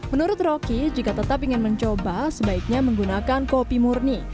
menurut roky jika tetap ingin mencoba sebaiknya menggunakan kopi murni